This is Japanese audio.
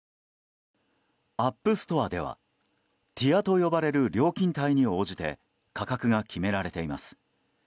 アップストアではティアと呼ばれる料金帯に応じて価格が決められています。